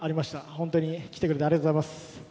本当に来てくれてありがとうございます。